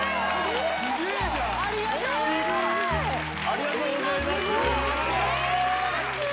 ありがとうございます。